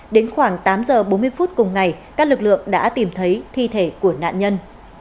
đến khoảng tám giờ bốn mươi phút cùng ngày các lực lượng đã tìm thấy thi thể của nạn nhân